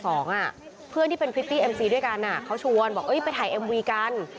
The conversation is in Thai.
เมย์บอกว่าปี๖๒อะเพื่อนที่เป็นพริตตี้เอ็มซีด้วยกันอะเขาชวนบอกเอ้ยไปถ่ายเอ็มวีกัน